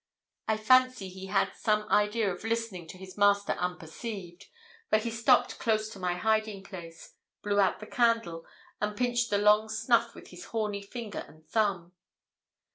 I fancy he had some idea of listening to his master unperceived, for he stopped close to my hiding place, blew out the candle, and pinched the long snuff with his horny finger and thumb.